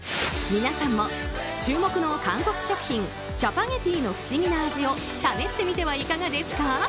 皆さんも注目の韓国食品チャパゲティの不思議な味を体験してみてはいかがですか？